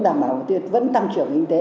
đảm bảo mục tiêu vẫn tăng trưởng kinh tế